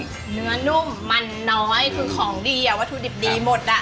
เนื้อนุ่มมันน้อยคือของดีอ่ะวัตถุดิบดีหมดอ่ะ